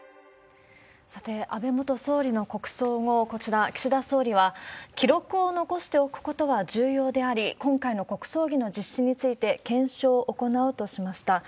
さて、安倍元総理の国葬後、こちら、岸田総理は、記録を残しておくことは重要であり、今回の国葬儀の実施について検証を行うとしました。